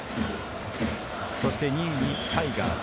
そして、２位にタイガース。